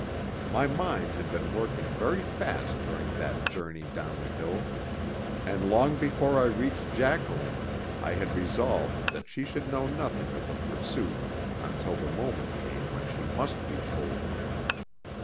My mind had been working very fast during that journey down the hill, and long before I reached Jacqueline I had resolved that she should know nothing of the pursuit until the moment came when she must be told.